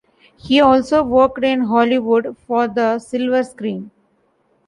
He also worked in Hollywood for the silver screen.